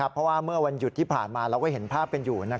เพราะว่าเมื่อวันหยุดที่ผ่านมาเราก็เห็นภาพกันอยู่